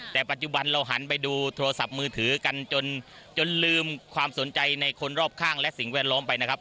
แต่ปัจจุบันเราหันไปดูโทรศัพท์มือถือกันจนลืมความสนใจในคนรอบข้างและสิ่งแวดล้อมไปนะครับ